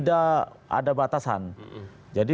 ada batasan jadi